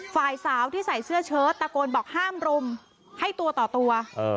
ฝ่ายสาวที่ใส่เสื้อเชิดตะโกนบอกห้ามรุมให้ตัวต่อตัว